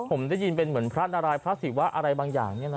ผมได้ยินเป็นเหมือนพระนารายพระศิวะอะไรบางอย่าง